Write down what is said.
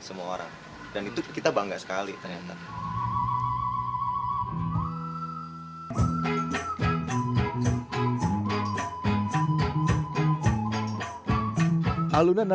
sejak tahun seribu sembilan ratus enam puluh an